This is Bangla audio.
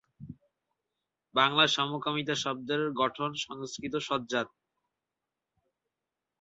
বাংলা সমকামিতা শব্দটির গঠন সংস্কৃত-সঞ্জাত।